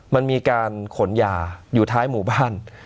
มันมีการขนยาอยู่ท้ายหมู่บ้าน